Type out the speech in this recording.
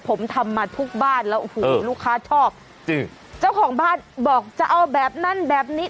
ผมทำมาทุกบ้านแล้วโอ้โหลูกค้าชอบจริงเจ้าของบ้านบอกจะเอาแบบนั้นแบบนี้